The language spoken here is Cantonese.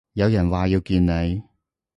有人話要見你